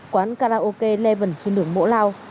quán karaoke một mươi một trên đường mộ lao